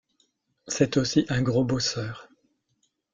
C'est aussi un gros bosseur.